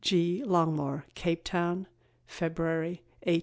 G. Longmore. CAPE TOWN, February 1862.